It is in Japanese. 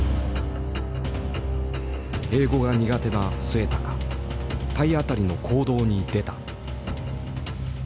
英語が苦手な末高体当たりの行動に出た。